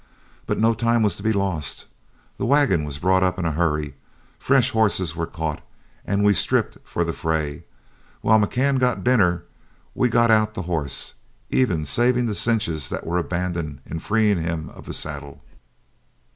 But no time was to be lost; the wagon was brought up in a hurry, fresh horses were caught, and we stripped for the fray. While McCann got dinner we got out the horse, even saving the cinches that were abandoned in freeing him of the saddle.